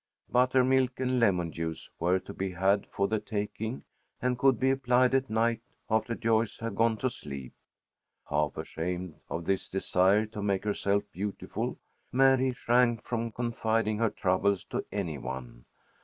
Buttermilk and lemon juice were to be had for the taking and could be applied at night after Joyce had gone to sleep. Half ashamed of this desire to make herself beautiful, Mary shrank from confiding her troubles to any one.